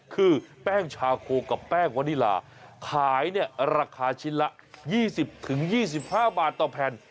คือแป้งชาโคกับแป้งวานิลาขายเนี่ยราคาชิ้นละ๒๐๒๕บาทต่อแผ่น